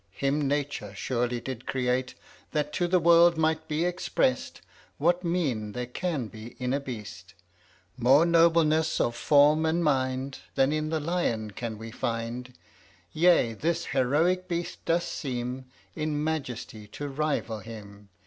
Him Nature surely did create, That to the world might be exprest What mien there can be in a beast; More nobleness of form and mind Than in the lion we can find: Yea, this heroic beast doth seem In majesty to rival him.